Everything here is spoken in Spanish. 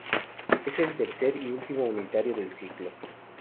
Es el tercer y último unitario del ciclo.